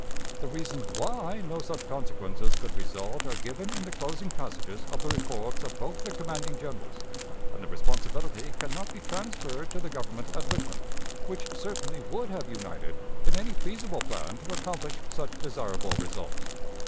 The reasons why no such consequences could result are given in the closing passages of the reports of both the commanding generals, and the responsibility can not be transferred to the Government at Richmond, which certainly would have united in any feasible plan to accomplish such desirable results.